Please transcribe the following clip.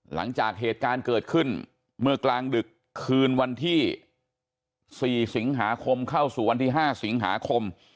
หลังจากเหตุการณ์เกิดขึ้นเมื่อกลางดึกคืนวันที่๔สิงหาคมเข้าสู่วันที่๕สิงหาคม